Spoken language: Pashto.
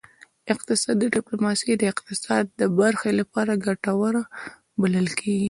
اقتصادي ډیپلوماسي د اقتصاد برخې لپاره ګټوره بلل کیږي